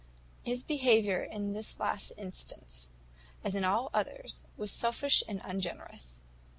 "His behaviour in this last instance, as in all others, was selfish and ungenerous.